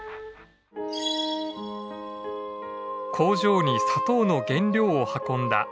工場に砂糖の原料を運んだ十勝鉄道。